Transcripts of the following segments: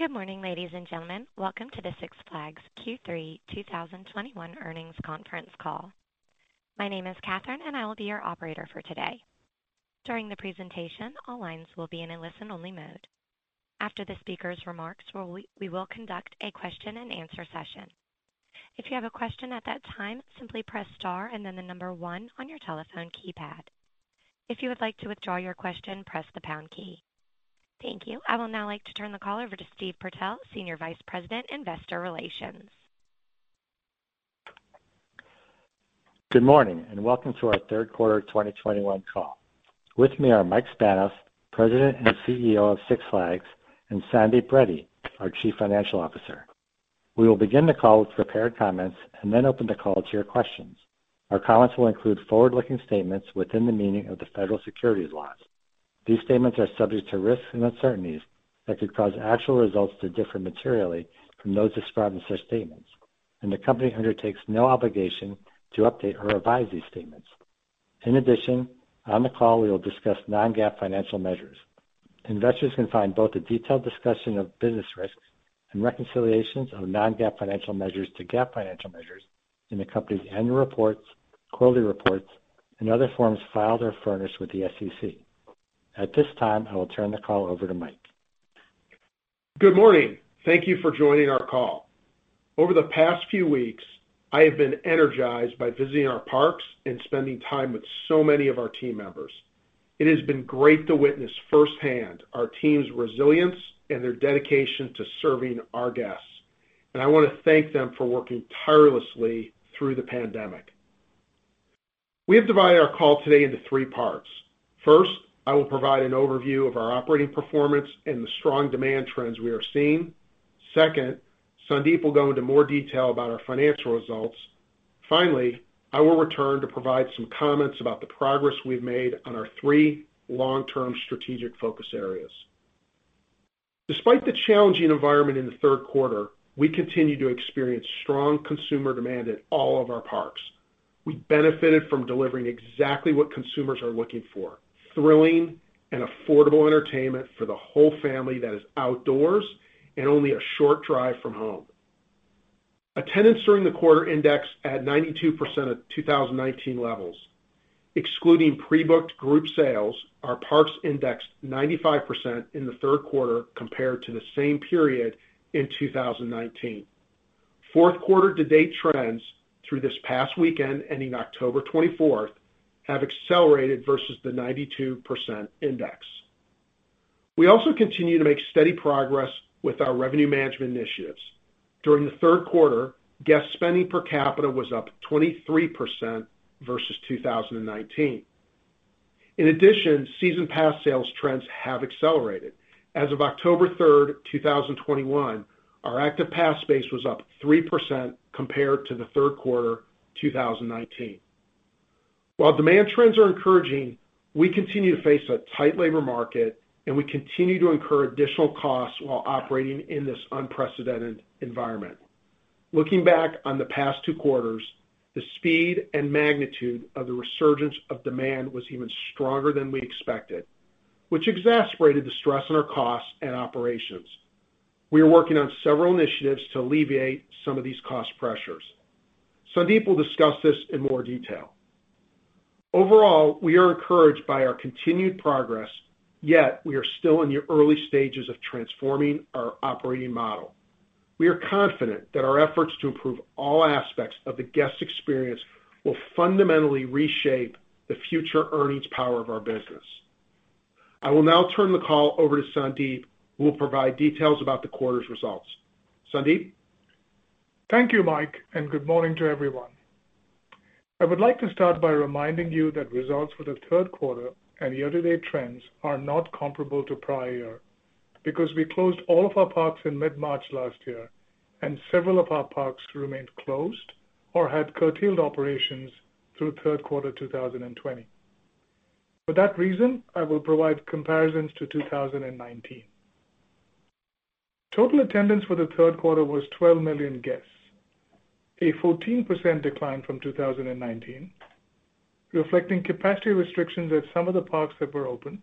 Good morning, ladies and gentlemen. Welcome to the Six Flags Q3 2021 earnings conference call. My name is Catherine, and I will be your operator for today. During the presentation, all lines will be in a listen-only mode. After the speaker's remarks, we will conduct a question-and-answer session. If you have a question at that time, simply press star and then the number one on your telephone keypad. If you would like to withdraw your question, press the pound key. Thank you. I will now like to turn the call over to Stephen Purtell, Senior Vice President, Investor Relations. Good morning, and welcome to our third quarter 2021 call. With me are Mike Spanos, President and CEO of Six Flags, and Sandeep Reddy, our Chief Financial Officer. We will begin the call with prepared comments and then open the call to your questions. Our comments will include forward-looking statements within the meaning of the federal securities laws. These statements are subject to risks and uncertainties that could cause actual results to differ materially from those described in such statements, and the company undertakes no obligation to update or revise these statements. In addition, on the call, we will discuss non-GAAP financial measures. Investors can find both a detailed discussion of business risks and reconciliations of non-GAAP financial measures to GAAP financial measures in the company's annual reports, quarterly reports, and other forms filed or furnished with the SEC. At this time, I will turn the call over to Mike. Good morning. Thank you for joining our call. Over the past few weeks, I have been energized by visiting our parks and spending time with so many of our team members. It has been great to witness firsthand our team's resilience and their dedication to serving our guests, and I wanna thank them for working tirelessly through the pandemic. We have divided our call today into three parts. First, I will provide an overview of our operating performance and the strong demand trends we are seeing. Second, Sandeep will go into more detail about our financial results. Finally, I will return to provide some comments about the progress we've made on our three long-term strategic focus areas. Despite the challenging environment in the third quarter, we continue to experience strong consumer demand at all of our parks. We benefited from delivering exactly what consumers are looking for, thrilling and affordable entertainment for the whole family that is outdoors and only a short drive from home. Attendance during the quarter indexed at 92% of 2019 levels. Excluding pre-booked group sales, our parks indexed 95% in the third quarter compared to the same period in 2019. Fourth quarter to date trends through this past weekend, ending October 24, have accelerated versus the 92% index. We also continue to make steady progress with our revenue management initiatives. During the third quarter, guest spending per capita was up 23% versus 2019. In addition, season pass sales trends have accelerated. As of October 3, 2021, our active pass base was up 3% compared to the third quarter 2019. While demand trends are encouraging, we continue to face a tight labor market, and we continue to incur additional costs while operating in this unprecedented environment. Looking back on the past two quarters, the speed and magnitude of the resurgence of demand was even stronger than we expected, which exacerbated the stress on our costs and operations. We are working on several initiatives to alleviate some of these cost pressures. Sandeep will discuss this in more detail. Overall, we are encouraged by our continued progress, yet we are still in the early stages of transforming our operating model. We are confident that our efforts to improve all aspects of the guest experience will fundamentally reshape the future earnings power of our business. I will now turn the call over to Sandeep, who will provide details about the quarter's results. Sandeep? Thank you, Mike, and good morning to everyone. I would like to start by reminding you that results for the third quarter and year-to-date trends are not comparable to prior year because we closed all of our parks in mid-March last year, and several of our parks remained closed or had curtailed operations through third quarter 2020. For that reason, I will provide comparisons to 2019. Total attendance for the third quarter was 12 million guests, a 14% decline from 2019, reflecting capacity restrictions at some of the parks that were open,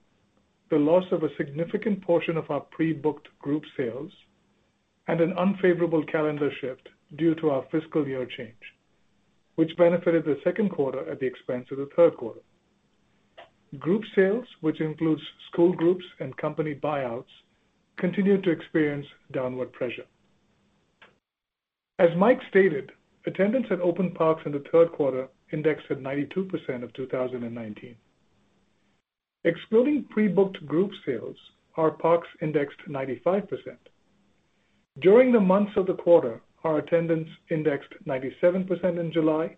the loss of a significant portion of our pre-booked group sales, and an unfavorable calendar shift due to our fiscal year change, which benefited the second quarter at the expense of the third quarter. Group sales, which includes school groups and company buyouts, continued to experience downward pressure. As Mike stated, attendance at open parks in the third quarter indexed at 92% of 2019. Excluding pre-booked group sales, our parks indexed 95%. During the months of the quarter, our attendance indexed 97% in July,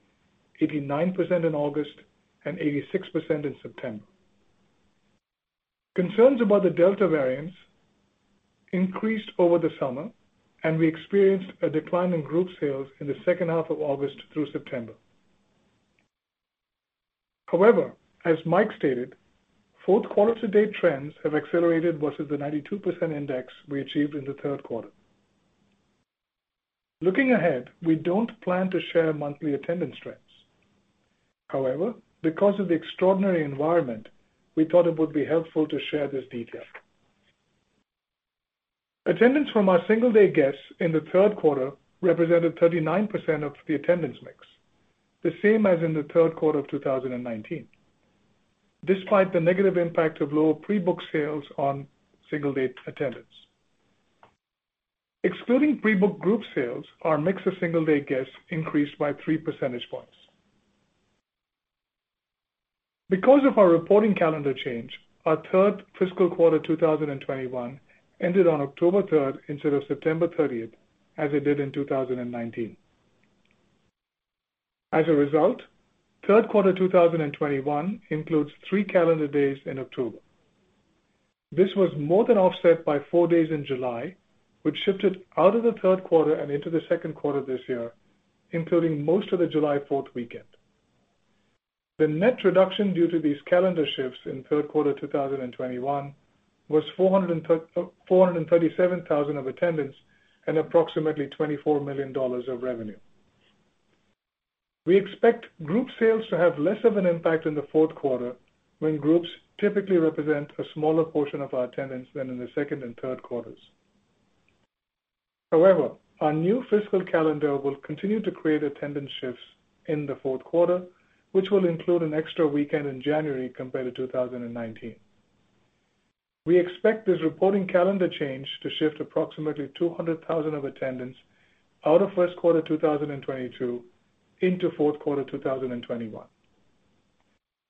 89% in August, and 86% in September. Concerns about the Delta variant increased over the summer, and we experienced a decline in group sales in the second half of August through September. However, as Mike stated, fourth quarter to-date trends have accelerated versus the 92% index we achieved in the third quarter. Looking ahead, we don't plan to share monthly attendance trends. However, because of the extraordinary environment, we thought it would be helpful to share this detail. Attendance from our single day guests in the third quarter represented 39% of the attendance mix, the same as in the third quarter of 2019, despite the negative impact of lower pre-booked sales on single day attendance. Excluding pre-booked group sales, our mix of single day guests increased by 3 percentage points. Because of our reporting calendar change, our third fiscal quarter 2021 ended on October 3 instead of September 30, as it did in 2019. As a result, third quarter 2021 includes three calendar days in October. This was more than offset by four days in July, which shifted out of the third quarter and into the second quarter this year, including most of the July Fourth weekend. The net reduction due to these calendar shifts in third quarter 2021 was 437,000 of attendance and approximately $24 million of revenue. We expect group sales to have less of an impact in the fourth quarter when groups typically represent a smaller portion of our attendance than in the second and third quarters. However, our new fiscal calendar will continue to create attendance shifts in the fourth quarter, which will include an extra weekend in January compared to 2019. We expect this reporting calendar change to shift approximately 200,000 of attendance out of first quarter 2022 into fourth quarter 2021.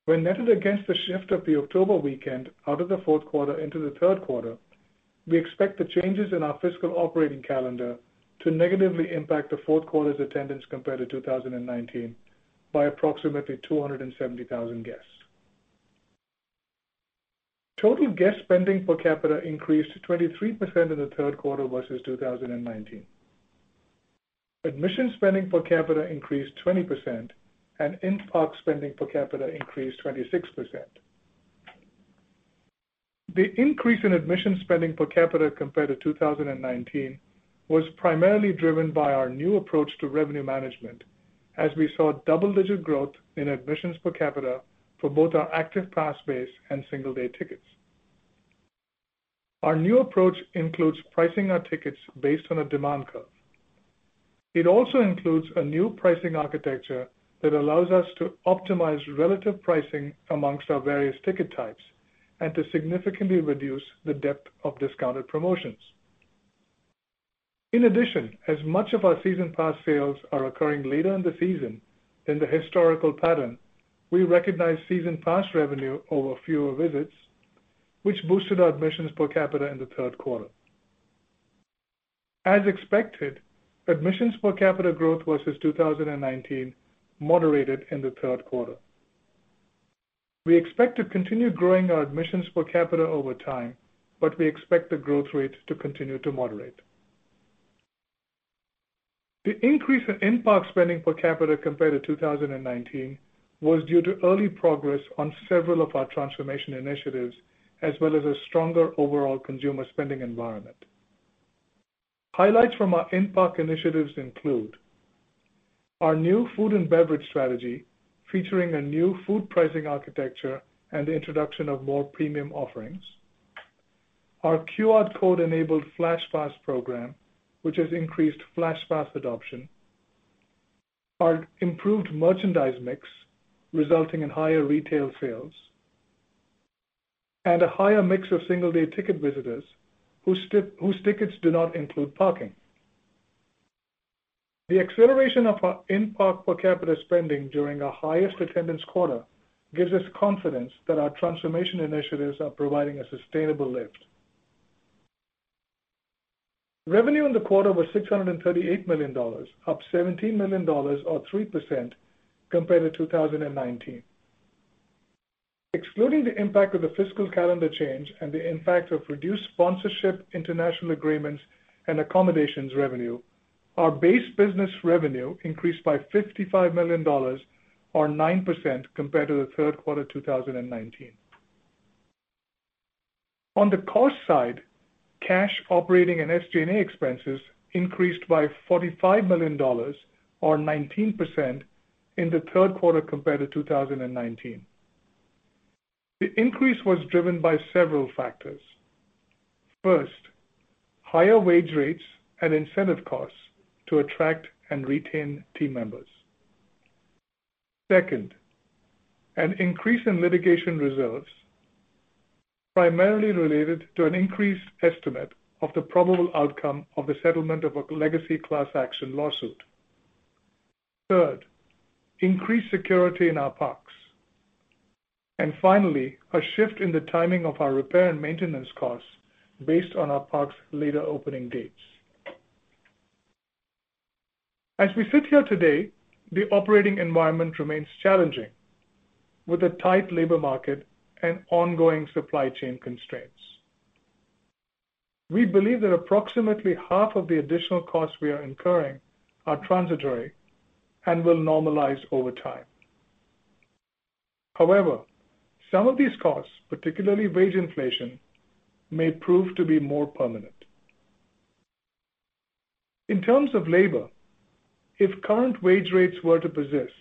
When netted against the shift of the October weekend out of the fourth quarter into the third quarter, we expect the changes in our fiscal operating calendar to negatively impact the fourth quarter's attendance compared to 2019 by approximately 270,000 guests. Total guest spending per capita increased 23% in the third quarter versus 2019. Admission spending per capita increased 20% and in-park spending per capita increased 26%. The increase in admission spending per capita compared to 2019 was primarily driven by our new approach to revenue management as we saw double-digit growth in admissions per capita for both our active pass base and single day tickets. Our new approach includes pricing our tickets based on a demand curve. It also includes a new pricing architecture that allows us to optimize relative pricing among our various ticket types and to significantly reduce the depth of discounted promotions. In addition, as much of our season pass sales are occurring later in the season than the historical pattern, we recognize season pass revenue over fewer visits, which boosted our admissions per capita in the third quarter. As expected, admissions per capita growth versus 2019 moderated in the third quarter. We expect to continue growing our admissions per capita over time, but we expect the growth rate to continue to moderate. The increase in in-park spending per capita compared to 2019 was due to early progress on several of our transformation initiatives as well as a stronger overall consumer spending environment. Highlights from our in-park initiatives include our new food and beverage strategy featuring a new food pricing architecture and the introduction of more premium offerings, our QR code-enabled Flash Pass program, which has increased Flash Pass adoption, our improved merchandise mix, resulting in higher retail sales, and a higher mix of single day ticket visitors whose tickets do not include parking. The acceleration of our in-park per capita spending during our highest attendance quarter gives us confidence that our transformation initiatives are providing a sustainable lift. Revenue in the quarter was $638 million, up $17 million or 3% compared to 2019. Excluding the impact of the fiscal calendar change and the impact of reduced sponsorship, international agreements, and accommodations revenue, our base business revenue increased by $55 million or 9% compared to the third quarter of 2019. On the cost side, cash, operating and SG&A expenses increased by $45 million or 19% in the third quarter compared to 2019. The increase was driven by several factors. First, higher wage rates and incentive costs to attract and retain team members. Second, an increase in litigation reserves primarily related to an increased estimate of the probable outcome of the settlement of a legacy class action lawsuit. Third, increased security in our parks. Finally, a shift in the timing of our repair and maintenance costs based on our parks' later opening dates. As we sit here today, the operating environment remains challenging, with a tight labor market and ongoing supply chain constraints. We believe that approximately half of the additional costs we are incurring are transitory and will normalize over time. However, some of these costs, particularly wage inflation, may prove to be more permanent. In terms of labor, if current wage rates were to persist,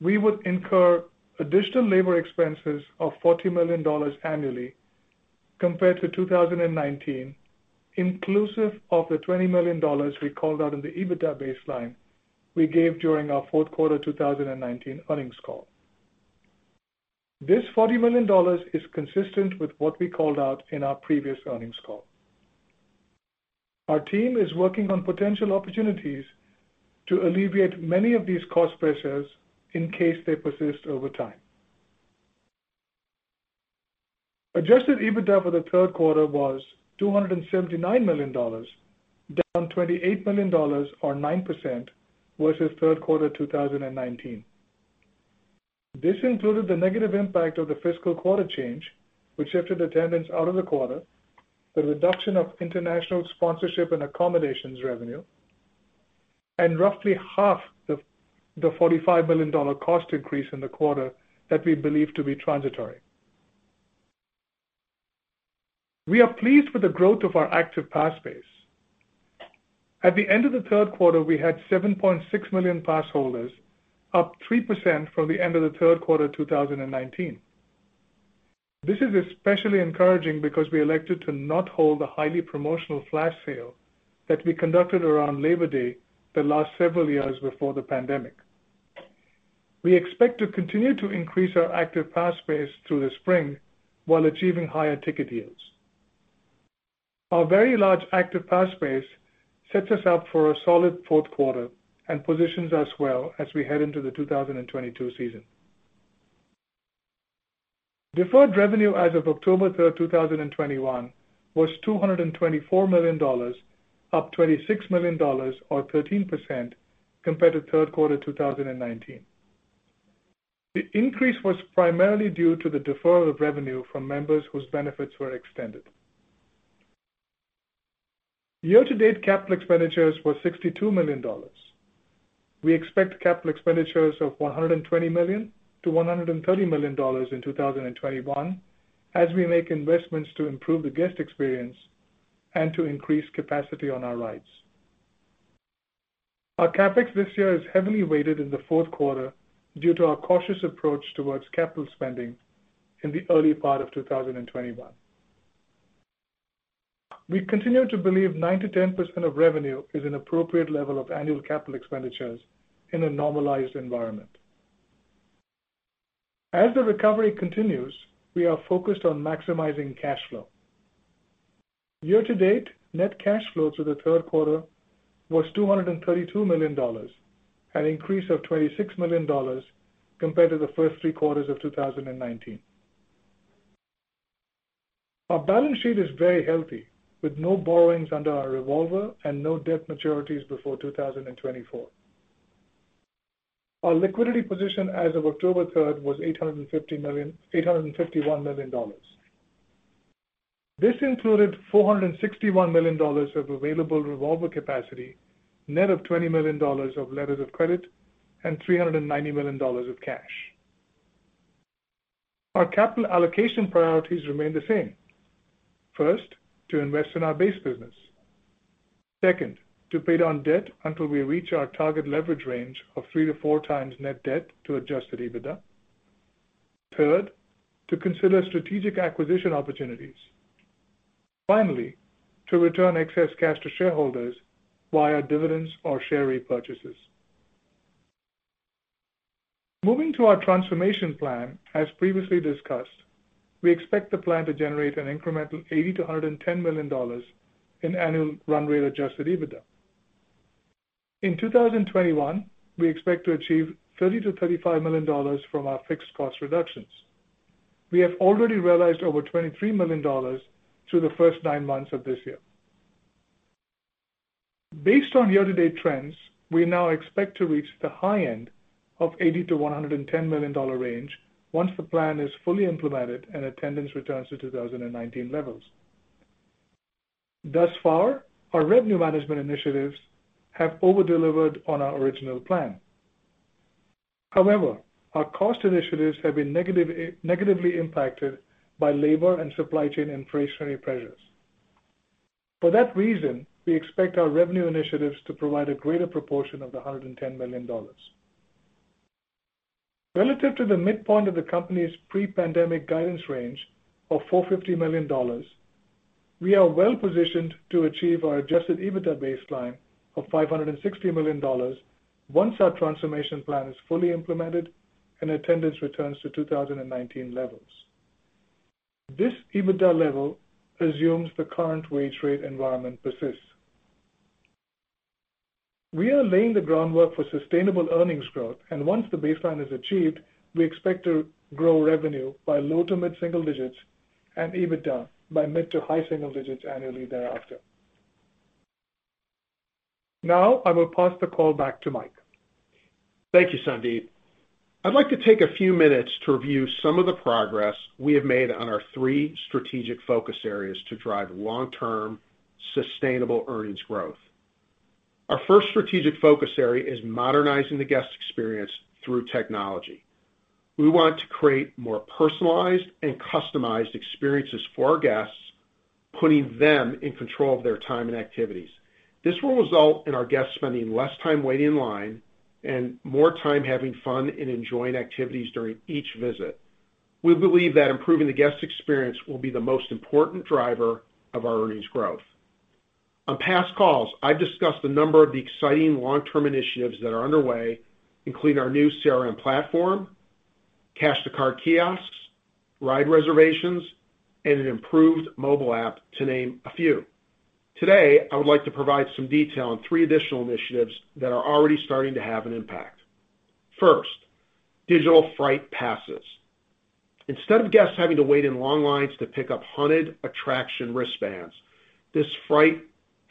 we would incur additional labor expenses of $40 million annually compared to 2019, inclusive of the $20 million we called out in the EBITDA baseline we gave during our fourth quarter 2019 earnings call. This $40 million is consistent with what we called out in our previous earnings call. Our team is working on potential opportunities to alleviate many of these cost pressures in case they persist over time. Adjusted EBITDA for the third quarter was $279 million, down $28 million or 9% versus third quarter 2019. This included the negative impact of the fiscal quarter change, which shifted attendance out of the quarter, the reduction of international sponsorship and accommodations revenue, and roughly half the $45 million cost increase in the quarter that we believe to be transitory. We are pleased with the growth of our active pass base. At the end of the third quarter, we had 7.6 million pass holders, up 3% from the end of the third quarter 2019. This is especially encouraging because we elected to not hold the highly promotional flash sale that we conducted around Labor Day the last several years before the pandemic. We expect to continue to increase our active pass base through the spring while achieving higher ticket yields. Our very large active pass base sets us up for a solid fourth quarter and positions us well as we head into the 2022 season. Deferred revenue as of October 3, 2021 was $224 million, up $26 million or 13% compared to third quarter 2019. The increase was primarily due to the deferral of revenue from members whose benefits were extended. Year-to-date capital expenditures were $62 million. We expect capital expenditures of $120 million-$130 million in 2021 as we make investments to improve the guest experience and to increase capacity on our rides. Our CapEx this year is heavily weighted in the fourth quarter due to our cautious approach towards capital spending in the early part of 2021. We continue to believe 9%-10% of revenue is an appropriate level of annual capital expenditures in a normalized environment. As the recovery continues, we are focused on maximizing cash flow. Year-to-date, net cash flow through the third quarter was $232 million, an increase of $26 million compared to the first three quarters of 2019. Our balance sheet is very healthy, with no borrowings under our revolver and no debt maturities before 2024. Our liquidity position as of October third was $851 million. This included $461 million of available revolver capacity, net of $20 million of letters of credit and $390 million of cash. Our capital allocation priorities remain the same. First, to invest in our base business. Second, to pay down debt until we reach our target leverage range of three-4x net debt to Adjusted EBITDA. Third, to consider strategic acquisition opportunities. Finally, to return excess cash to shareholders via dividends or share repurchases. Moving to our transformation plan, as previously discussed, we expect the plan to generate an incremental $80-$110 million in annual run rate Adjusted EBITDA. In 2021, we expect to achieve $30-$35 million from our fixed cost reductions. We have already realized over $23 million through the first 9 months of this year. Based on year-to-date trends, we now expect to reach the high end of $80-$110 million range once the plan is fully implemented and attendance returns to 2019 levels. Thus far, our revenue management initiatives have over-delivered on our original plan. However, our cost initiatives have been negatively impacted by labor and supply chain inflationary pressures. For that reason, we expect our revenue initiatives to provide a greater proportion of the $110 million. Relative to the midpoint of the company's pre-pandemic guidance range of $450 million, we are well-positioned to achieve our Adjusted EBITDA baseline of $560 million once our transformation plan is fully implemented and attendance returns to 2019 levels. This EBITDA level assumes the current wage rate environment persists. We are laying the groundwork for sustainable earnings growth, and once the baseline is achieved, we expect to grow revenue by low to mid-single digits and EBITDA by mid to high single digits annually thereafter. Now I will pass the call back to Mike. Thank you, Sandeep. I'd like to take a few minutes to review some of the progress we have made on our three strategic focus areas to drive long-term sustainable earnings growth. Our first strategic focus area is modernizing the guest experience through technology. We want to create more personalized and customized experiences for our guests, putting them in control of their time and activities. This will result in our guests spending less time waiting in line and more time having fun and enjoying activities during each visit. We believe that improving the guest experience will be the most important driver of our earnings growth. On past calls, I've discussed a number of the exciting long-term initiatives that are underway, including our new CRM platform, cash-to-card kiosks, ride reservations, and an improved mobile app, to name a few. Today, I would like to provide some detail on three additional initiatives that are already starting to have an impact. First, digital Fright Passes. Instead of guests having to wait in long lines to pick up haunted attraction wristbands, this Fright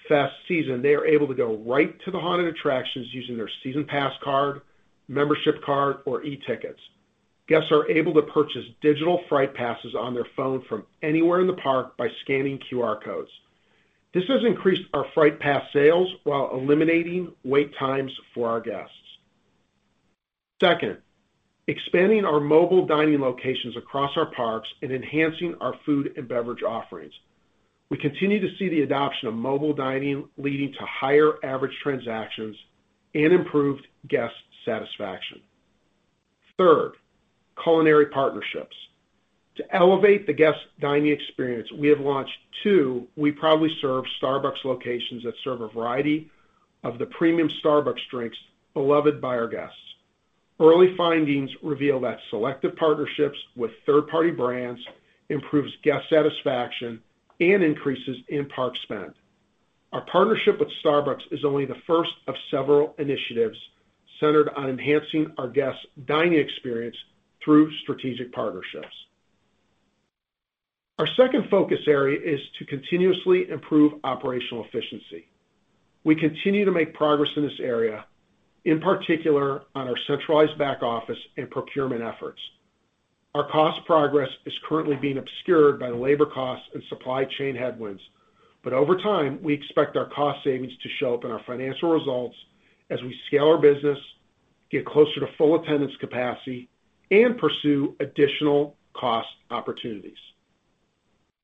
Fest season, they are able to go right to the haunted attractions using their season pass card, membership card, or e-tickets. Guests are able to purchase digital Fright Passes on their phone from anywhere in the park by scanning QR codes. This has increased our Fright Pass sales while eliminating wait times for our guests. Second, expanding our mobile dining locations across our parks and enhancing our food and beverage offerings. We continue to see the adoption of mobile dining leading to higher average transactions and improved guest satisfaction. Third, culinary partnerships. To elevate the guest dining experience, we have launched two We Proudly Serve Starbucks locations that serve a variety of the premium Starbucks drinks beloved by our guests. Early findings reveal that selective partnerships with third-party brands improves guest satisfaction and increases in-park spend. Our partnership with Starbucks is only the first of several initiatives centered on enhancing our guests' dining experience through strategic partnerships. Our second focus area is to continuously improve operational efficiency. We continue to make progress in this area, in particular on our centralized back office and procurement efforts. Our cost progress is currently being obscured by the labor costs and supply chain headwinds. Over time, we expect our cost savings to show up in our financial results as we scale our business, get closer to full attendance capacity, and pursue additional cost opportunities.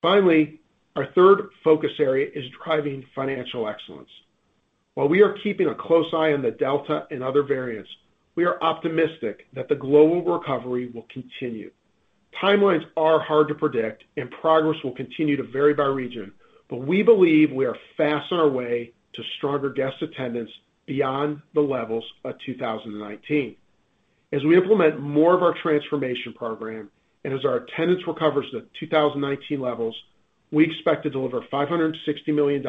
Finally, our third focus area is driving financial excellence. While we are keeping a close eye on the Delta and other variants, we are optimistic that the global recovery will continue. Timelines are hard to predict and progress will continue to vary by region, but we believe we are fast on our way to stronger guest attendance beyond the levels of 2019. As we implement more of our transformation program, and as our attendance recovers to 2019 levels, we expect to deliver $560 million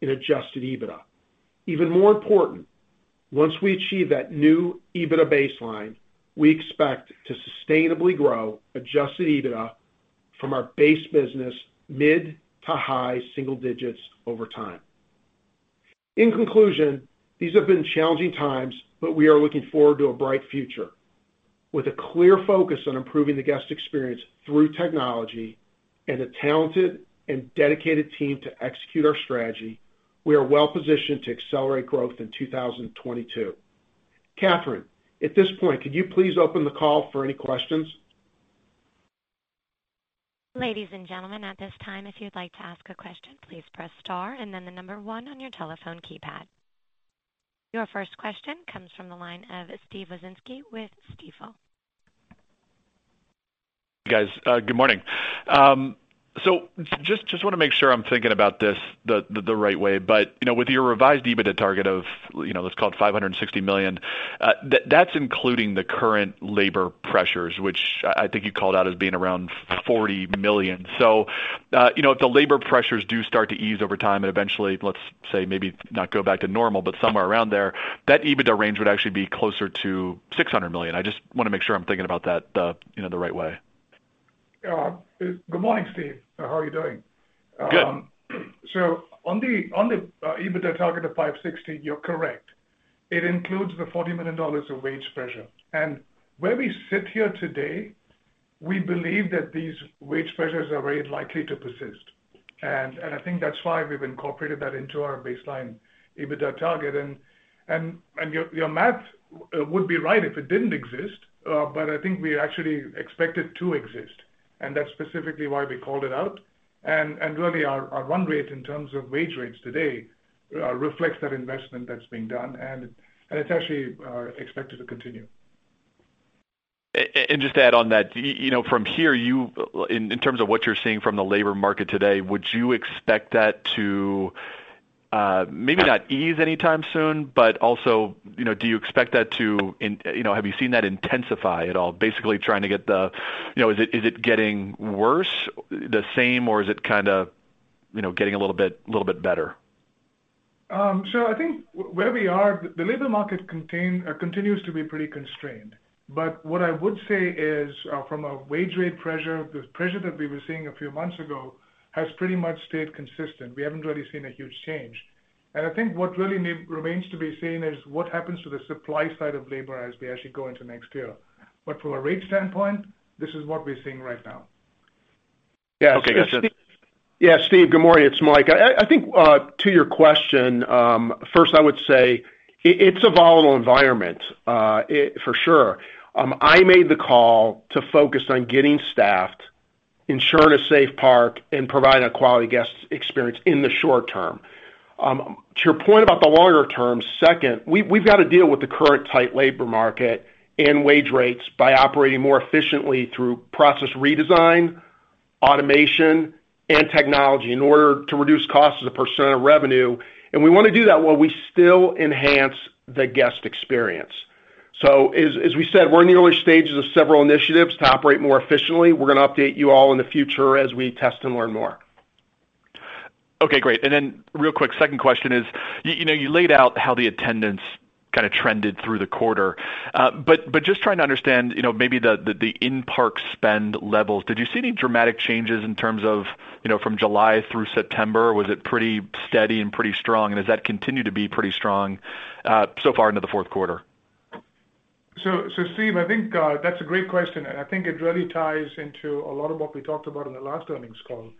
in Adjusted EBITDA. Even more important, once we achieve that new EBITDA baseline, we expect to sustainably grow Adjusted EBITDA from our base business mid- to high-single digits over time. In conclusion, these have been challenging times, but we are looking forward to a bright future. With a clear focus on improving the guest experience through technology and a talented and dedicated team to execute our strategy, we are well positioned to accelerate growth in 2022. Catherine, at this point, could you please open the call for any questions? Ladies and gentlemen, at this time, if you'd like to ask a question, please press star and then the number one on your telephone keypad. Your first question comes from the line of Steven Wieczynski with Stifel. Guys, good morning. Just wanna make sure I'm thinking about this the right way. You know, with your revised EBITDA target of, you know, let's call it $560 million, that's including the current labor pressures, which I think you called out as being around $40 million. You know, if the labor pressures do start to ease over time and eventually, let's say, maybe not go back to normal, but somewhere around there, that EBITDA range would actually be closer to $600 million. I just wanna make sure I'm thinking about that the right way. Good morning, Steve. How are you doing? Good. So on the EBITDA target of 560, you're correct. It includes the $40 million of wage pressure. Where we sit here today, we believe that these wage pressures are very likely to persist. Your math would be right if it didn't exist, but I think we actually expect it to exist. That's specifically why we called it out. Really our run rate in terms of wage rates today reflects that investment that's being done, and it's actually expected to continue. Just to add on that, you know, from here, in terms of what you're seeing from the labor market today, would you expect that to maybe not ease anytime soon, but also, you know, do you expect that to you know, have you seen that intensify at all? Basically trying to get the you know, is it getting worse, the same, or is it kinda, you know, getting a little bit better? I think where we are, the labor market continues to be pretty constrained. What I would say is, from a wage rate pressure, the pressure that we were seeing a few months ago has pretty much stayed consistent. We haven't really seen a huge change. I think what really remains to be seen is what happens to the supply side of labor as we actually go into next year. From a rate standpoint, this is what we're seeing right now. Yeah, Steve, good morning. It's Mike. I think, to your question, first I would say it's a volatile environment, for sure. I made the call to focus on getting staffed, ensuring a safe park, and providing a quality guest experience in the short term. To your point about the longer term, second, we've got to deal with the current tight labor market and wage rates by operating more efficiently through process redesign, automation, and technology in order to reduce costs as a percent of revenue. We wanna do that while we still enhance the guest experience. As we said, we're in the early stages of several initiatives to operate more efficiently. We're gonna update you all in the future as we test and learn more. Okay, great. Real quick, second question is, you know, you laid out how the attendance kinda trended through the quarter. Just trying to understand, you know, maybe the in-park spend levels. Did you see any dramatic changes in terms of, you know, from July through September? Was it pretty steady and pretty strong? Does that continue to be pretty strong so far into the fourth quarter? Steve, I think that's a great question, and I think it really ties into a lot of what we talked about in the last earnings call.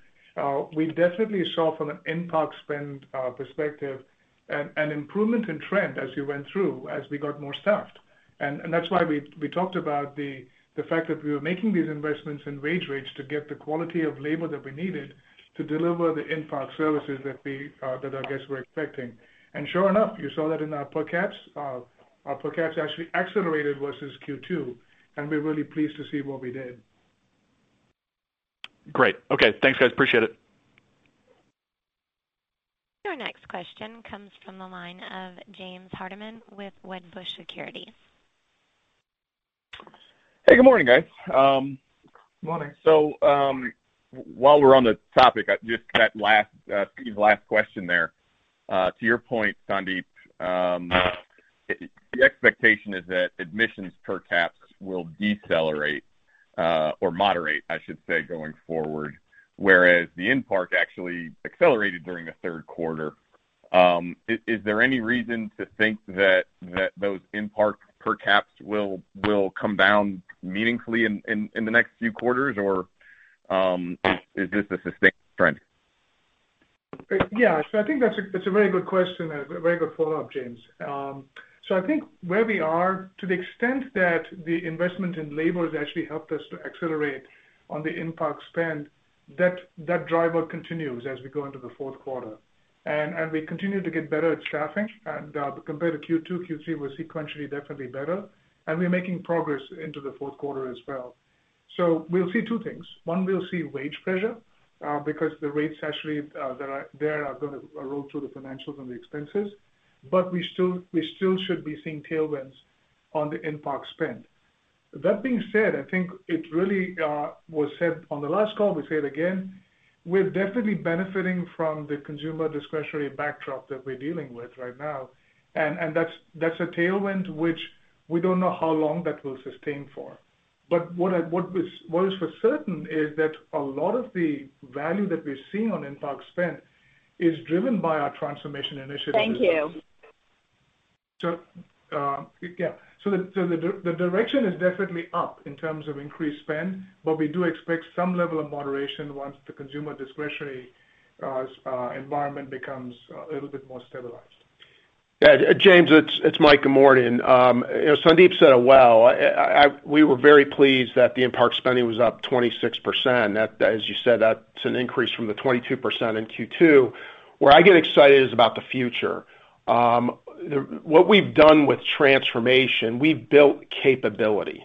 We definitely saw from an in-park spend perspective an improvement in trend as you went through, as we got more staffed. That's why we talked about the fact that we were making these investments in wage rates to get the quality of labor that we needed to deliver the in-park services that our guests were expecting. Sure enough, you saw that in our per caps. Our per caps actually accelerated versus Q2, and we're really pleased to see what we did. Great. Okay. Thanks, guys. Appreciate it. Your next question comes from the line of James Hardiman with Wedbush Securities. Hey, good morning, guys. Morning. While we're on the topic, just that last Steve's last question there. To your point, Sandeep, the expectation is that admissions per caps will decelerate, or moderate, I should say, going forward, whereas the in-park actually accelerated during the third quarter. Is there any reason to think that those in-park per caps will come down meaningfully in the next few quarters? Or, is this a sustained trend? Yeah. I think that's a very good question and a very good follow-up, James. I think where we are, to the extent that the investment in labor has actually helped us to accelerate on the in-park spend, that driver continues as we go into the fourth quarter. We continue to get better at staffing. Compared to Q2, Q3 was sequentially definitely better, and we're making progress into the fourth quarter as well. We'll see two things. One, we'll see wage pressure, because the rates actually that are there are gonna roll through the financials and the expenses, but we still should be seeing tailwinds on the in-park spend. That being said, I think it really was said on the last call. We say it again, we're definitely benefiting from the consumer discretionary backdrop that we're dealing with right now. That's a tailwind which we don't know how long that will sustain for. What is for certain is that a lot of the value that we're seeing on in-park spend is driven by our transformation initiatives. Thank you. The direction is definitely up in terms of increased spend, but we do expect some level of moderation once the consumer discretionary environment becomes a little bit more stabilized. Yeah. James, it's Mike. Good morning. You know, Sandeep said it well. We were very pleased that the in-park spending was up 26%. That, as you said, that's an increase from the 22% in Q2. Where I get excited is about the future. What we've done with transformation, we've built capability.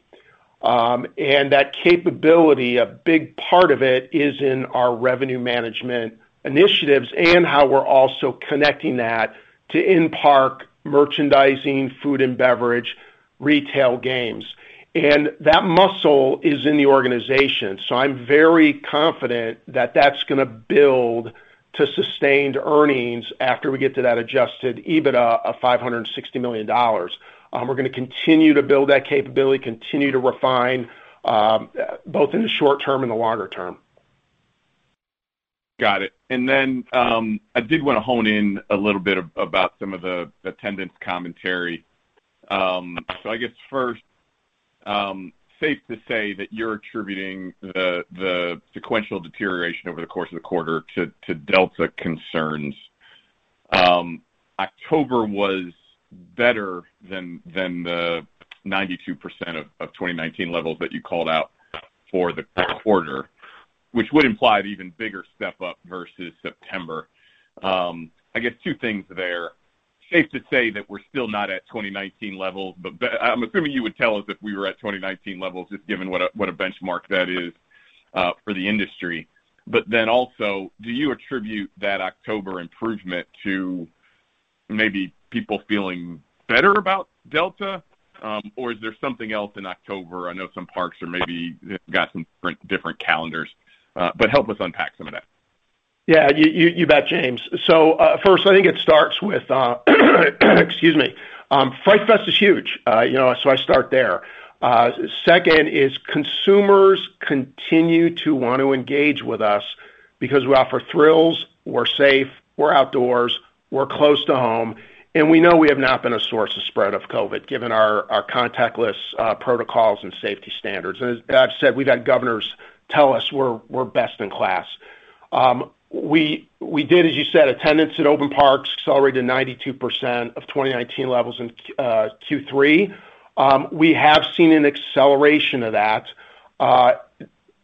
That capability, a big part of it is in our revenue management initiatives and how we're also connecting that to in-park merchandising, food and beverage, retail games. That muscle is in the organization. I'm very confident that that's gonna build to sustained earnings after we get to that Adjusted EBITDA of $560 million. We're gonna continue to build that capability, continue to refine both in the short term and the longer term. Got it. I did want to hone in a little bit about some of the attendance commentary. I guess first, safe to say that you're attributing the sequential deterioration over the course of the quarter to Delta concerns. October was better than the 92% of 2019 levels that you called out for the quarter, which would imply an even bigger step up versus September. I guess two things there. Safe to say that we're still not at 2019 levels, but I'm assuming you would tell us if we were at 2019 levels, just given what a benchmark that is for the industry. But then also, do you attribute that October improvement to maybe people feeling better about Delta, or is there something else in October? I know some parks are maybe got some different calendars, but help us unpack some of that. Yeah, you bet, James. First, I think it starts with Fright Fest is huge, you know, so I start there. Second is consumers continue to want to engage with us because we offer thrills, we're safe, we're outdoors, we're close to home, and we know we have not been a source of spread of COVID, given our contactless protocols and safety standards. As I've said, we've had governors tell us we're best in class. We did, as you said, attendance at open parks accelerated 92% of 2019 levels in Q3. We have seen an acceleration of that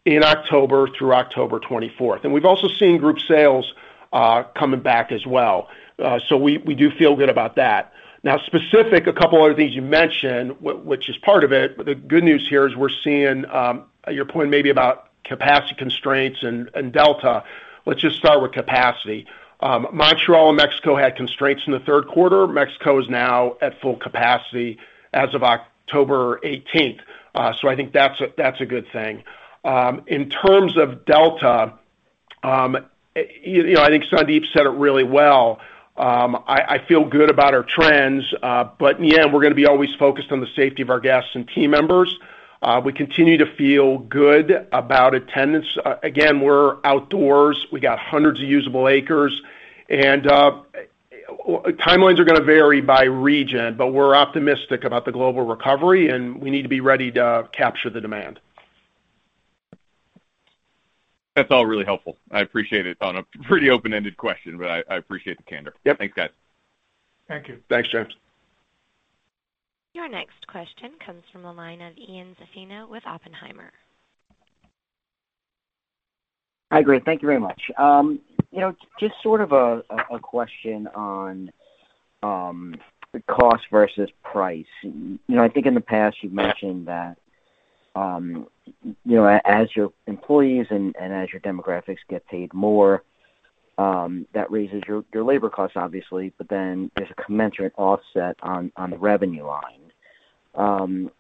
in October through October 24. We've also seen group sales coming back as well. We do feel good about that. Now, specific, a couple other things you mentioned, which is part of it, but the good news here is we're seeing your point maybe about capacity constraints and Delta. Let's just start with capacity. Montreal and Mexico had constraints in the third quarter. Mexico is now at full capacity as of October eighteenth. I think that's a good thing. In terms of Delta, you know, I think Sandeep said it really well. I feel good about our trends, but yeah, we're gonna be always focused on the safety of our guests and team members. We continue to feel good about attendance. Again, we're outdoors. We got hundreds of usable acres and timelines are gonna vary by region, but we're optimistic about the global recovery, and we need to be ready to capture the demand. That's all really helpful. I appreciate it on a pretty open-ended question, but I appreciate the candor. Yep. Thanks, guys. Thank you. Thanks, James. Your next question comes from the line of Ian Zaffino with Oppenheimer. Hi, great. Thank you very much. You know, just sort of a question on the cost versus price. You know, I think in the past you've mentioned that you know, as your employees and as your demographics get paid more, that raises your labor costs obviously, but then there's a commensurate offset on the revenue line.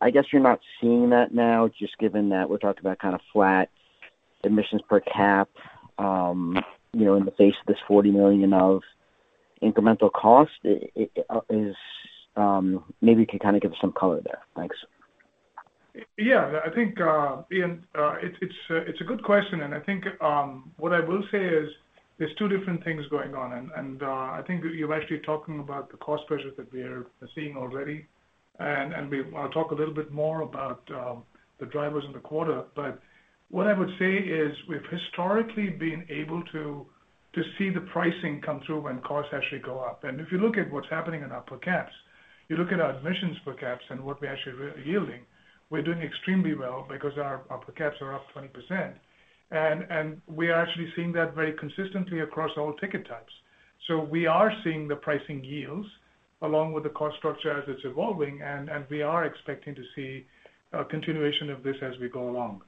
I guess you're not seeing that now, just given that we talked about kind of flat admissions per cap, you know, in the face of this $40 million of incremental cost, is maybe you could kind of give some color there. Thanks. Yeah. I think, Ian, it's a good question, and I think what I will say is there's two different things going on. I think you're actually talking about the cost pressures that we are seeing already. I'll talk a little bit more about the drivers in the quarter. What I would say is we've historically been able to see the pricing come through when costs actually go up. If you look at what's happening in our per caps, you look at our admissions per caps and what we're actually re-yielding, we're doing extremely well because our per caps are up 20%. We are actually seeing that very consistently across all ticket types. We are seeing the pricing yields along with the cost structure as it's evolving, and we are expecting to see a continuation of this as we go along.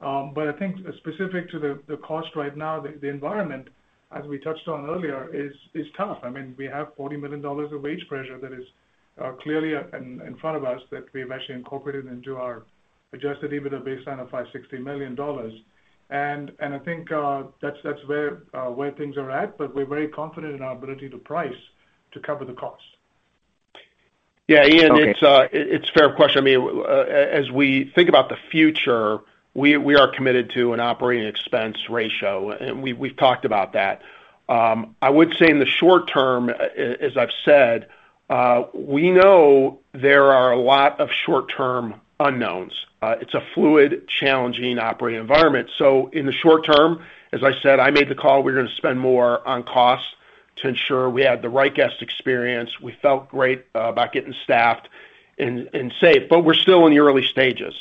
I think specific to the cost right now, the environment, as we touched on earlier, is tough. I mean, we have $40 million of wage pressure that is clearly in front of us that we have actually incorporated into our Adjusted EBITDA baseline of $560 million. I think that's where things are at, but we're very confident in our ability to price to cover the cost. Yeah, Ian, it's a fair question. I mean, as we think about the future, we are committed to an operating expense ratio, and we've talked about that. I would say in the short term, as I've said, we know there are a lot of short-term unknowns. It's a fluid, challenging operating environment. In the short term, as I said, I made the call we're gonna spend more on costs to ensure we had the right guest experience. We felt great about getting staffed and safe, but we're still in the early stages.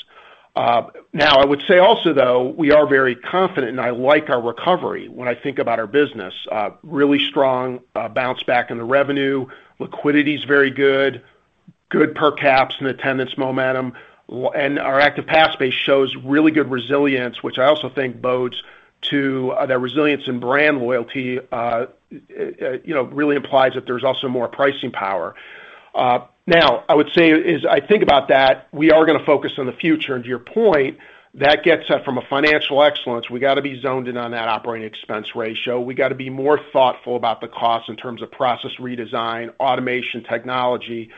Now I would say also, though, we are very confident, and I like our recovery when I think about our business. Really strong bounce back in the revenue. Liquidity is very good. Good per caps and attendance momentum. Our active pass base shows really good resilience, which I also think bodes to the resilience in brand loyalty, you know, really implies that there's also more pricing power. Now, as I think about that, we are gonna focus on the future. To your point, that gets at from a financial excellence, we gotta be zoned in on that operating expense ratio. We gotta be more thoughtful about the cost in terms of process redesign, automation technology,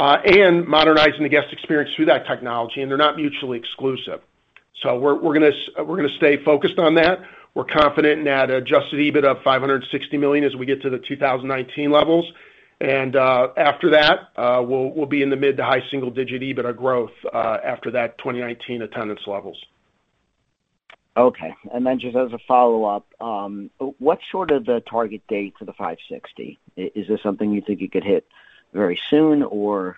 and modernizing the guest experience through that technology, and they're not mutually exclusive. We're gonna stay focused on that. We're confident in that Adjusted EBITDA of $560 million as we get to the 2019 levels. after that, we'll be in the mid- to high-single-digit EBITDA growth after that 2019 attendance levels. Just as a follow-up, what's sort of the target date for the $560? Is this something you think you could hit very soon or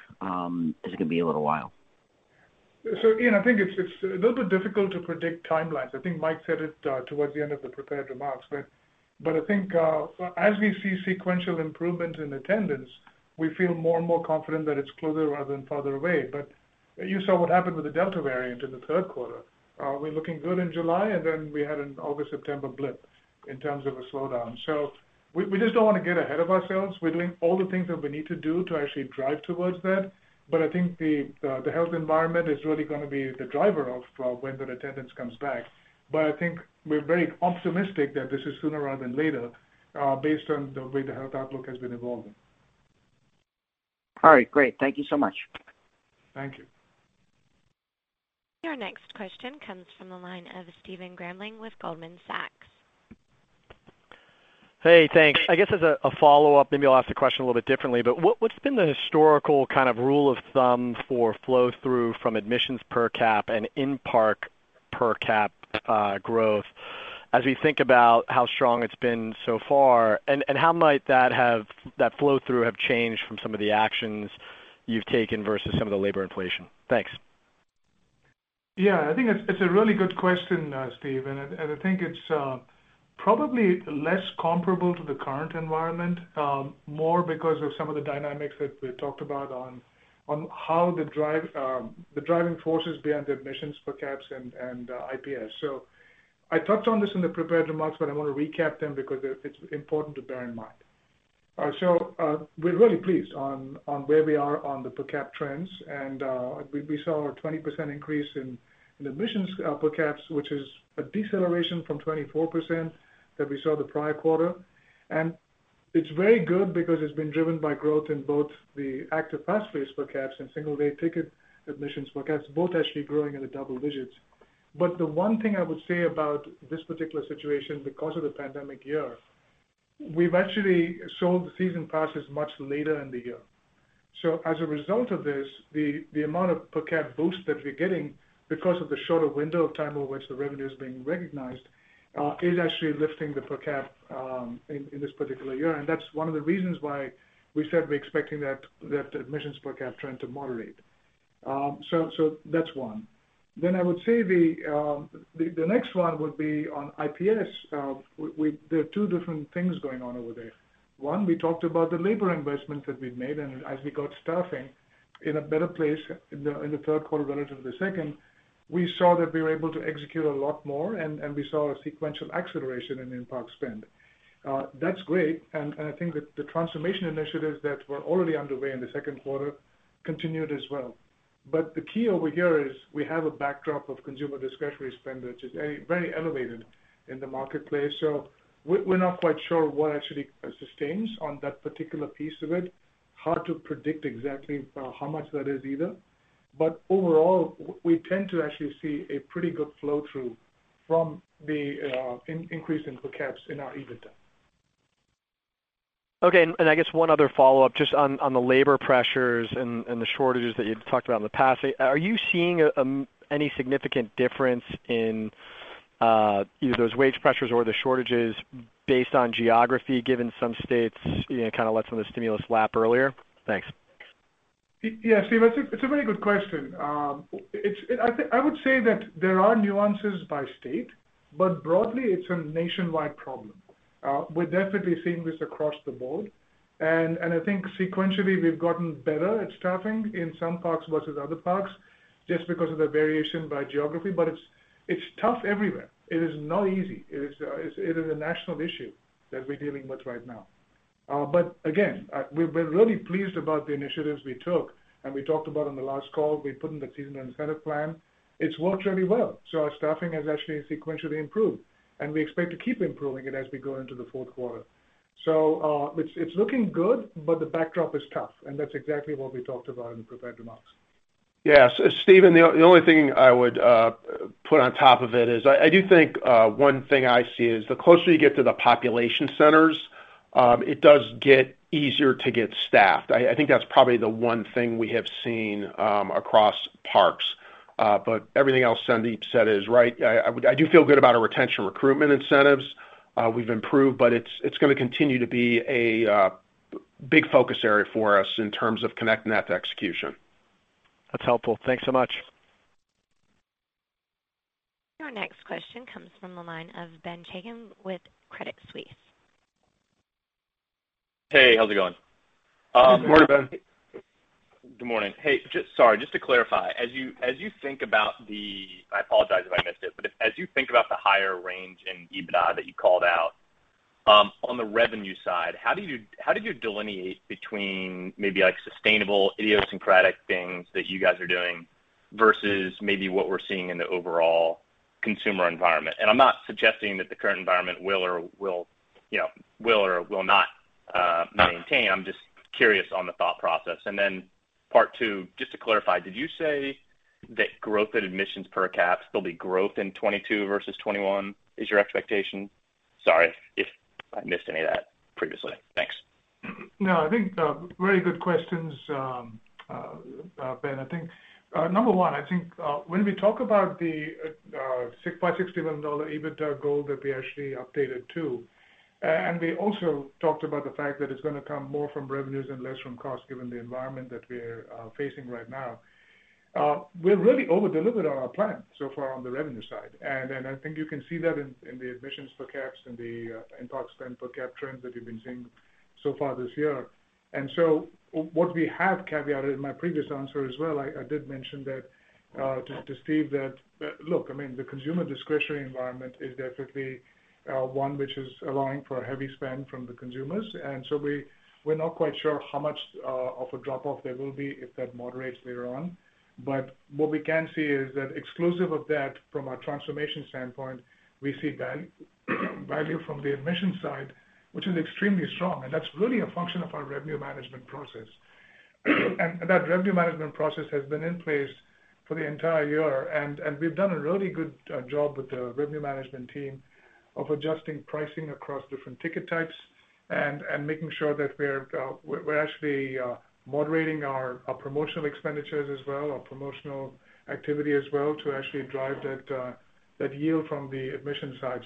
is it gonna be a little while? Ian, I think it's a little bit difficult to predict timelines. I think Mike said it towards the end of the prepared remarks. I think as we see sequential improvement in attendance, we feel more and more confident that it's closer rather than farther away. You saw what happened with the Delta variant in the third quarter. We're looking good in July, and then we had an August, September blip in terms of a slowdown. We just don't wanna get ahead of ourselves. We're doing all the things that we need to do to actually drive towards that. I think the health environment is really gonna be the driver of when the attendance comes back. I think we're very optimistic that this is sooner rather than later, based on the way the health outlook has been evolving. All right, great. Thank you so much. Thank you. Your next question comes from the line of Stephen Grambling with Goldman Sachs. Hey, thanks. I guess as a follow-up, maybe I'll ask the question a little bit differently, but what's been the historical kind of rule of thumb for flow through from admissions per cap and in-park per cap growth as we think about how strong it's been so far? How might that flow through have changed from some of the actions you've taken versus some of the labor inflation? Thanks. Yeah. I think it's a really good question, Steve, and I think it's probably less comparable to the current environment, more because of some of the dynamics that we talked about on how the driving forces behind the admissions per caps and IPS. I touched on this in the prepared remarks, but I want to recap them because it's important to bear in mind. We're really pleased on where we are on the per cap trends. We saw a 20% increase in admissions per caps, which is a deceleration from 24% that we saw the prior quarter. It's very good because it's been driven by growth in both the active pass rates per caps and single day ticket admissions per caps, both actually growing in the double digits. The one thing I would say about this particular situation, because of the pandemic year, we've actually sold the season passes much later in the year. As a result of this, the amount of per cap boost that we're getting because of the shorter window of time over which the revenue is being recognized is actually lifting the per cap in this particular year. That's one of the reasons why we said we're expecting that admissions per cap trend to moderate. That's one. I would say the next one would be on IPS. There are two different things going on over there. One, we talked about the labor investments that we've made, and as we got staffing in a better place in the third quarter relative to the second, we saw that we were able to execute a lot more and we saw a sequential acceleration in in-park spend. That's great, and I think that the transformation initiatives that were already underway in the second quarter continued as well. The key over here is we have a backdrop of consumer discretionary spend, which is very elevated in the marketplace. We're not quite sure what actually sustains on that particular piece of it. Hard to predict exactly how much that is either. Overall, we tend to actually see a pretty good flow through from the increase in per caps in our EBITDA. Okay. I guess one other follow-up just on the labor pressures and the shortages that you'd talked about in the past. Are you seeing any significant difference in either those wage pressures or the shortages based on geography, given some states, you know, kinda let some of the stimulus lapse earlier? Thanks. Yes, Steve, it's a very good question. I would say that there are nuances by state, but broadly, it's a nationwide problem. We're definitely seeing this across the board. I think sequentially, we've gotten better at staffing in some parks versus other parks just because of the variation by geography, but it's tough everywhere. It is not easy. It is a national issue that we're dealing with right now. We've been really pleased about the initiatives we took and we talked about on the last call. We put in the season incentive plan. It's worked really well, so our staffing has actually sequentially improved, and we expect to keep improving it as we go into the fourth quarter. It's looking good, but the backdrop is tough, and that's exactly what we talked about in the prepared remarks. Yeah. Stephen, the only thing I would put on top of it is I do think one thing I see is the closer you get to the population centers, it does get easier to get staffed. I think that's probably the one thing we have seen across parks. Everything else Sandeep said is right. I do feel good about our retention recruitment incentives. We've improved, but it's gonna continue to be a big focus area for us in terms of connecting that to execution. That's helpful. Thanks so much. Your next question comes from the line of Ben Chaiken with Credit Suisse. Hey, how's it going? Good morning, Ben. Good morning. Hey, sorry, just to clarify, I apologize if I missed it, but as you think about the higher range in EBITDA that you called out, on the revenue side, how did you delineate between maybe like sustainable idiosyncratic things that you guys are doing versus maybe what we're seeing in the overall consumer environment? I'm not suggesting that the current environment will or will not, you know, maintain. I'm just curious on the thought process. Part two, just to clarify, did you say that growth in admissions per cap, there'll be growth in 2022 versus 2021 is your expectation? Sorry if I missed any of that previously. Thanks. No, I think very good questions, Ben. I think number one, I think when we talk about the [audio distort EBITDA goal that we actually updated to, and we also talked about the fact that it's gonna come more from revenues and less from costs given the environment that we're facing right now, we've really over-delivered on our plan so far on the revenue side. I think you can see that in the admissions per caps and the in-park spend per cap trends that we've been seeing so far this year. What we have caveated in my previous answer as well, I did mention that to Steve that look, I mean, the consumer discretionary environment is definitely one which is allowing for heavy spend from the consumers. We're not quite sure how much of a drop-off there will be if that moderates later on. What we can see is that exclusive of that from a transformation standpoint, we see value from the admission side. Which is extremely strong, and that's really a function of our revenue management process. That revenue management process has been in place for the entire year. We've done a really good job with the revenue management team of adjusting pricing across different ticket types and making sure that we're actually moderating our promotional expenditures as well, our promotional activity as well to actually drive that yield from the admission side.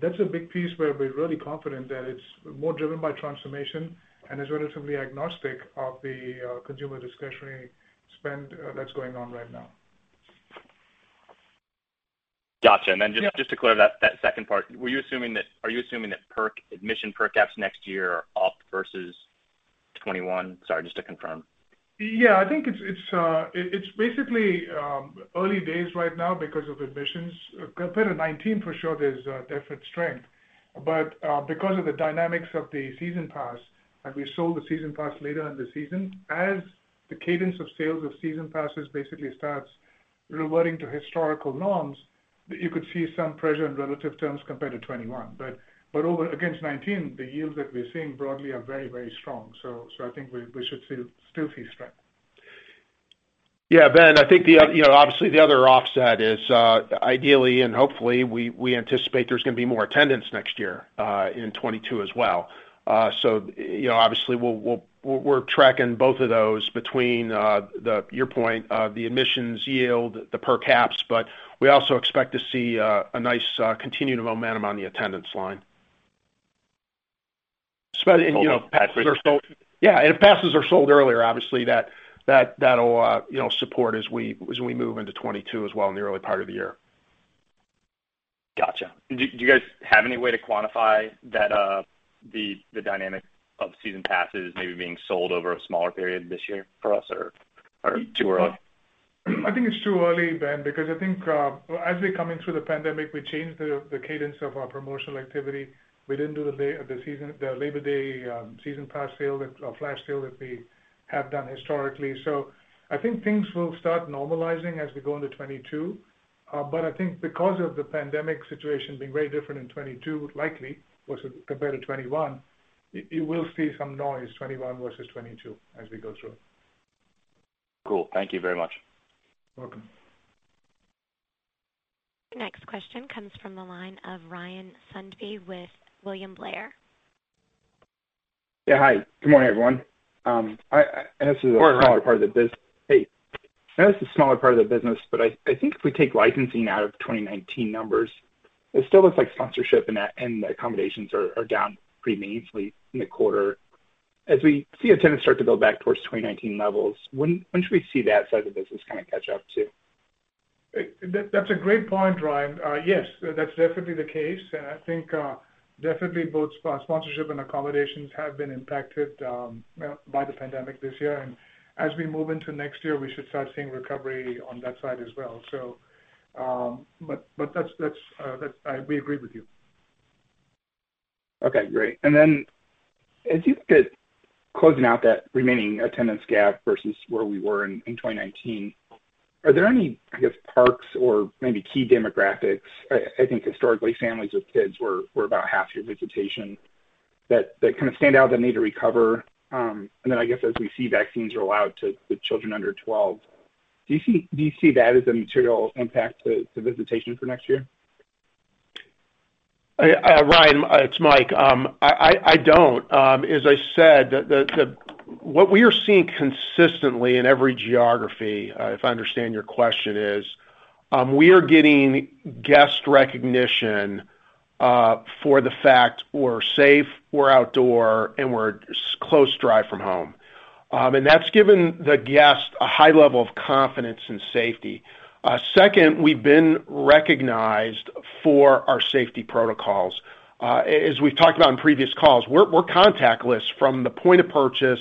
That's a big piece where we're really confident that it's more driven by transformation and is relatively agnostic of the consumer discretionary spend that's going on right now. Gotcha. Yeah. Just to clear that second part, are you assuming that admission per cap next year are up versus 2021? Sorry, just to confirm. Yeah, I think it's basically early days right now because of admissions. Compared to 2019, for sure there's definite strength. Because of the dynamics of the season pass, and we sold the season pass later in the season, as the cadence of sales of season passes basically starts reverting to historical norms, you could see some pressure in relative terms compared to 2021. Over against 2019, the yields that we're seeing broadly are very, very strong. I think we should still see strength. Yeah, Ben, I think the, you know, obviously the other offset is, ideally and hopefully we anticipate there's gonna be more attendance next year in 2022 as well. So you know, obviously we're tracking both of those between your point of the admissions yield, the per caps, but we also expect to see a nice continuing momentum on the attendance line. So and, you know. Passes are sold. Yeah, if passes are sold earlier, obviously that'll, you know, support as we move into 2022 as well in the early part of the year. Gotcha. Do you guys have any way to quantify that, the dynamic of season passes maybe being sold over a smaller period this year for us or too early? I think it's too early, Ben, because I think as we're coming through the pandemic, we changed the cadence of our promotional activity. We didn't do the Labor Day season pass sale or flash sale that we have done historically. I think things will start normalizing as we go into 2022. I think because of the pandemic situation being very different in 2022, likely versus compared to 2021, you will see some noise 2021 versus 2022 as we go through. Cool. Thank you very much. Welcome. Next question comes from the line of Ryan Sundby with William Blair. Yeah. Hi, good morning, everyone. I know this is- Good morning, Ryan. I know this is a smaller part of the business, but I think if we take licensing out of the 2019 numbers, it still looks like sponsorship and accommodations are down pretty meaningfully in the quarter. As we see attendance start to build back towards 2019 levels, when should we see that side of the business kind of catch up too? That's a great point, Ryan. Yes, that's definitely the case. I think definitely both sponsorship and accommodations have been impacted by the pandemic this year. As we move into next year, we should start seeing recovery on that side as well. But that's. We agree with you. Okay, great. As you look at closing out that remaining attendance gap versus where we were in 2019, are there any parks or maybe key demographics, I guess? I think historically families with kids were about half your visitation, that kind of stand out that need to recover? I guess as we see vaccines roll out to children under 12, do you see that as a material impact to visitation for next year? Ryan, it's Mike. As I said, what we are seeing consistently in every geography, if I understand your question, is we are getting guest recognition for the fact we're safe, we're outdoors, and we're a close drive from home. That's given the guests a high level of confidence and safety. Second, we've been recognized for our safety protocols. As we've talked about in previous calls, we're contactless from the point of purchase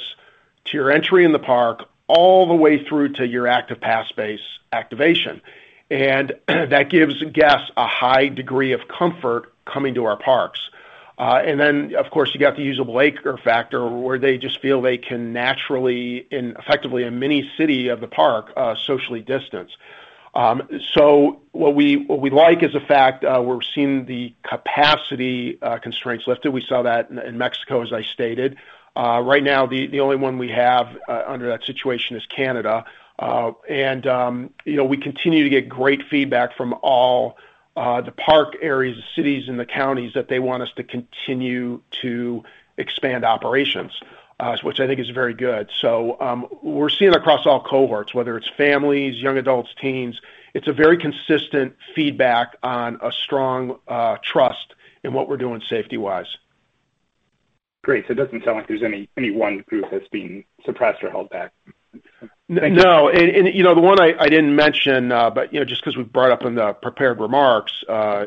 to your entry in the park, all the way through to your app-based activation. That gives guests a high degree of comfort coming to our parks. Then, of course, you got the usable acre factor where they just feel they can naturally and effectively socially distance in a mini city of the park. What we like is the fact we're seeing the capacity constraints lifted. We saw that in Mexico, as I stated. Right now the only one we have under that situation is Canada. You know, we continue to get great feedback from all the park areas, the cities and the counties that they want us to continue to expand operations, which I think is very good. We're seeing across all cohorts, whether it's families, young adults, teens, it's a very consistent feedback on a strong trust in what we're doing safety-wise. Great. So it doesn't sound like there's any one group that's being suppressed or held back. Thank you. No. You know, the one I didn't mention, but you know, just 'cause we brought up in the prepared remarks,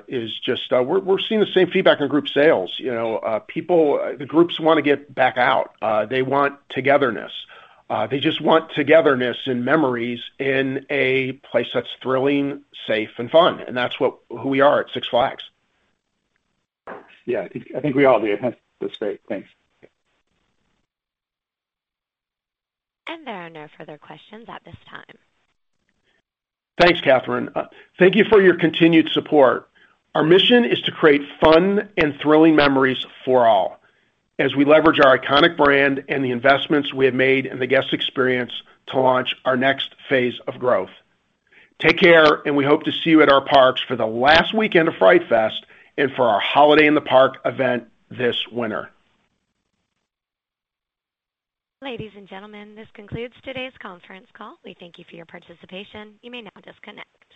is just we're seeing the same feedback in group sales. You know, people, the groups wanna get back out. They want togetherness. They just want togetherness and memories in a place that's thrilling, safe, and fun, and that's who we are at Six Flags. Yeah, I think we all do. Thanks. There are no further questions at this time. Thanks, Catherine. Thank you for your continued support. Our mission is to create fun and thrilling memories for all as we leverage our iconic brand and the investments we have made in the guest experience to launch our next phase of growth. Take care, and we hope to see you at our parks for the last weekend of Fright Fest and for our Holiday in the Park event this winter. Ladies and gentlemen, this concludes today's conference call. We thank you for your participation. You may now disconnect.